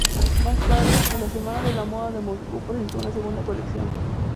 Más tarde, en la Semana de la Moda de Moscú presentó su segunda colección.